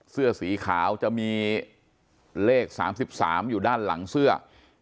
เสื้อสีขาวจะมีเลข๓๓อยู่ด้านหลังเสื้อ